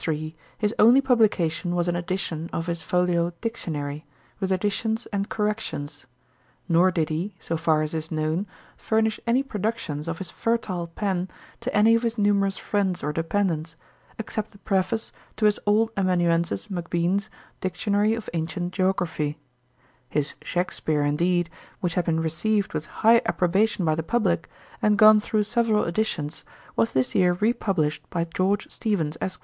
In 1773 his only publication was an edition of his folio Dictionary, with additions and corrections; nor did he, so far as is known, furnish any productions of his fertile pen to any of his numerous friends or dependants, except the Preface to his old amanuensis Macbean's Dictionary of Ancient Geography. His Shakspeare, indeed, which had been received with high approbation by the publick, and gone through several editions, was this year re published by George Steevens, Esq.